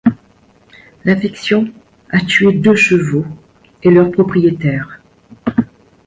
L'infection a tué deux chevaux et leur propriétaire.